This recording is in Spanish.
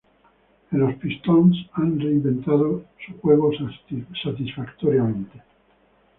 En los Pistons ha reinventado su juego satisfactoriamente.